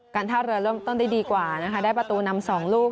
ท่าเรือเริ่มต้นได้ดีกว่านะคะได้ประตูนำ๒ลูก